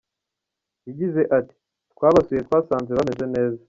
Yagize ati “Twabasuye, twasanze bameze neza.